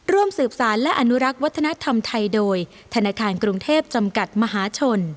ร่วมสืบสารและอนุรักษ์วัฒนธรรมไทยโดยธนาคารกรุงเทพจำกัดมหาชน